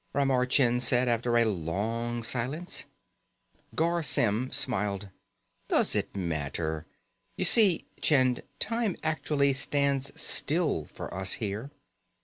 Ramar Chind said after a long silence. Garr Symm smiled. "Does it really matter? You see, Chind, time actually stands still for us here.